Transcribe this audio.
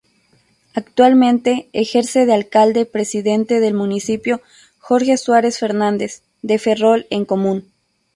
Actualmente ejerce de Alcalde-Presidente del municipio Jorge Suárez Fernández, de Ferrol en Común.